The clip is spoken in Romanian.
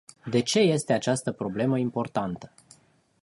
De ce este această problemă importantă?